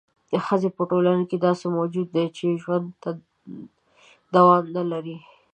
ښځه په ټولنه کې داسې موجود دی چې ژوند دوام نه لري.